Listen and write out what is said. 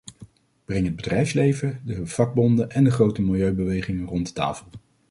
Breng het bedrijfsleven, de vakbonden en de grote milieubewegingen rond de tafel.